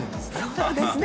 そうですね。